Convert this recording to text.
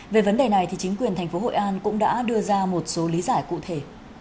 về vấn đề này chính quyền tp hội an cũng đã đưa ra một số lý giải cụ thể